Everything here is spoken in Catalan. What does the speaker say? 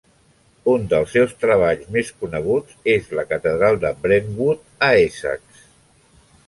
Un dels seus treballs més coneguts és la Catedral de Brentwood a Essex.